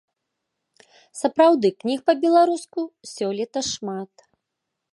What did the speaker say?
Сапраўды, кніг па-беларуску сёлета шмат.